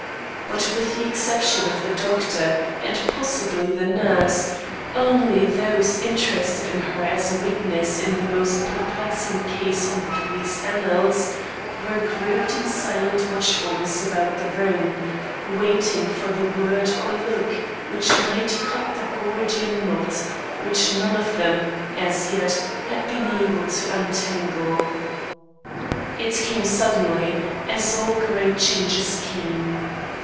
But with the exception of the doctor and possibly the nurse, only those interested in her as a witness in the most perplexing case on the police annals, were grouped in silent watchfulness about the room, waiting for the word or look which might cut the Gordian knot which none of them, as yet, had been able to untangle. It came suddenly, as all great changes come.